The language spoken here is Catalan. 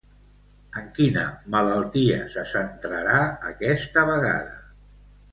En quina malaltia se centrarà aquesta vegada?